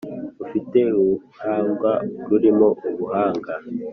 ufite uruhanga rurimo ubuhanga